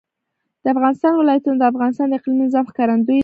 د افغانستان ولايتونه د افغانستان د اقلیمي نظام ښکارندوی ده.